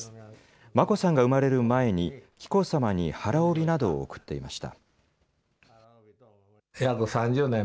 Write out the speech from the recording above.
眞子さんが生まれる前に、紀子さまに腹帯などを贈っていました。